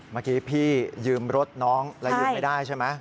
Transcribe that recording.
เมื่อกี้พี่ยืมรถน้องแล้วยืมไม่ได้ใช่ไหม